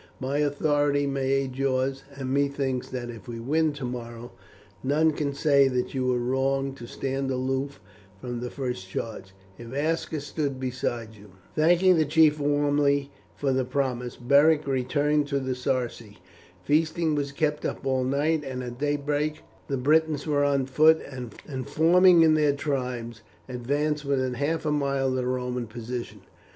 My authority may aid yours, and methinks that if we win tomorrow, none can say that you were wrong to stand aloof from the first charge, if Aska stood beside you." Thanking the chief warmly for the promise, Beric returned to the Sarci. Feasting was kept up all night, and at daybreak the Britons were on foot, and forming in their tribes advanced within half a mile of the Roman position.